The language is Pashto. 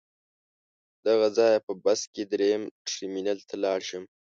له هغه ځایه په بس کې درېیم ټرمینل ته لاړ شم.